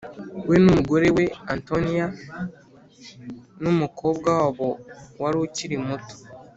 We n umugore we Antonia n umukobwa wabo wari ukiri muto